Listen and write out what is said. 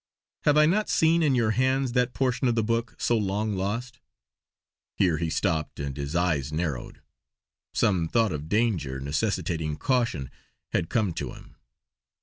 "Have I not seen in your hands that portion of the book, so long lost!" Here he stopped and his eyes narrowed; some thought of danger, necessitating caution, had come to him.